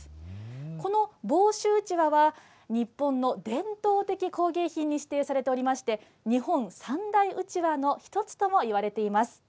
この房州うちわは、日本の伝統的工芸品に指定されておりまして、日本三大うちわの１つともいわれています。